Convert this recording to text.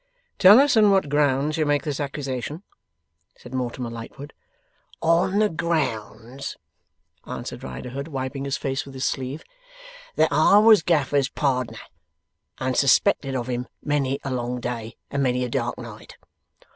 'Tell us on what grounds you make this accusation,' said Mortimer Lightwood. 'On the grounds,' answered Riderhood, wiping his face with his sleeve, 'that I was Gaffer's pardner, and suspected of him many a long day and many a dark night.